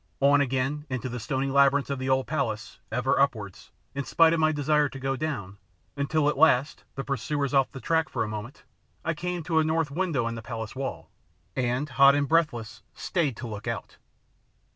On again into the stony labyrinths of the old palace, ever upwards, in spite of my desire to go down, until at last, the pursuers off the track for a moment, I came to a north window in the palace wall, and, hot and breathless, stayed to look out.